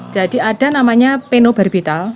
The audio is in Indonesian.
jadi ada namanya penobarbital